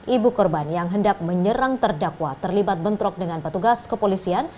ibu korban yang hendak menyerang terdakwa terlibat bentrok dengan petugas kepolisian